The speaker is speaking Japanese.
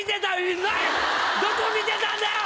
どこ見てた⁉ねぇ！